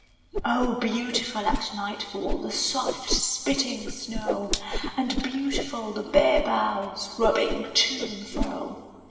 Oh, beautiful at nightfall The soft spitting snow! And beautiful the bare boughs Rubbing to and fro!